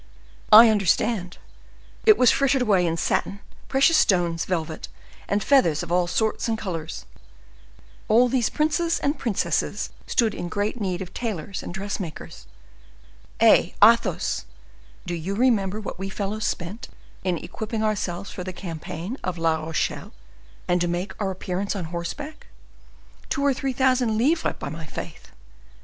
"I understand; it was frittered away in satin, precious stones, velvet, and feathers of all sorts and colors. All these princes and princesses stood in great need of tailors and dressmakers. Eh! Athos, do you remember what we fellows spent in equipping ourselves for the campaign of La Rochelle, and to make our appearance on horseback? Two or three thousand livres, by my faith!